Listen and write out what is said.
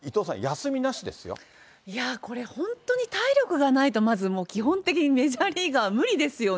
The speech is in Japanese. いやこれ、本当に体力がないと、まずもう、基本的にメジャーリーガーは無理ですよね。